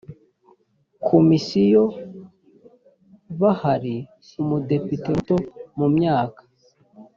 komisiyo bahari umudepite muto mu myaka